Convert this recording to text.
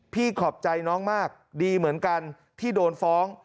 ขอบใจน้องมากดีเหมือนกันที่โดนฟ้อง